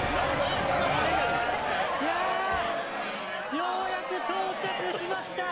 いやぁ、ようやく到着しました。